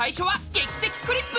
「劇的クリップ」！